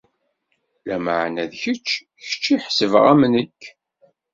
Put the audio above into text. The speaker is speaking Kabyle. Lameɛna d kečč, kečč i ḥesbeɣ am nekk.